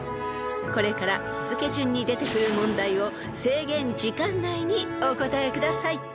［これから日付順に出てくる問題を制限時間内にお答えください］